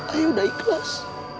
ayah udah ikhlas